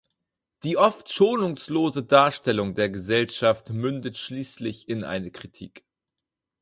Die oft schonungslose Darstellung der Gesellschaft mündet schließlich in eine Kritik.